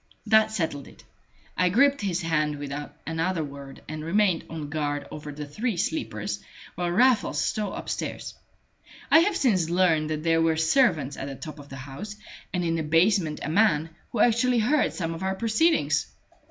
That settled it. I gripped his hand without another word, and remained on guard over the three sleepers while Raffles stole upstairs. I have since learned that there were servants at the top of the house, and in the basement a man, who actually heard some of our proceedings!